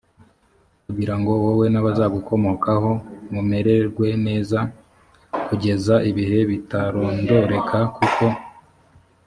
kugira ngo wowe n abazagukomokaho mumererwe neza d kugeza ibihe bitarondoreka kuko